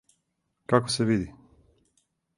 Како се види?